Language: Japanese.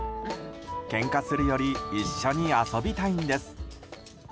けんかするより一緒に遊びたいんです。